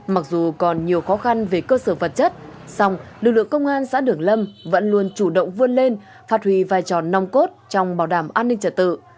mặc dù còn nhiều khó khăn về cơ sở vật chất song lực lượng công an xã đường lâm vẫn luôn chủ động vươn lên phát huy vai trò nong cốt trong bảo đảm an ninh trật tự